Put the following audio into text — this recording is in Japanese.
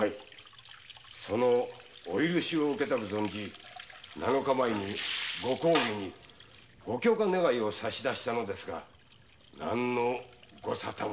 そのお許しを受けたく七日前にご公儀に「御許可願」を差し出したのですが何のごさたもなく。